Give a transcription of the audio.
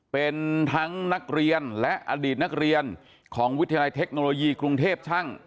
เป็นทั้งนักเรียนและอดีตนักเรียนของวิทยาลัยเทคโนโลยีกรุงเทพช่าง